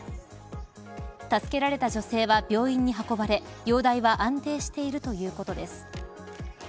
助けられた女性は、病院に運ばれ容体は安定しているということです。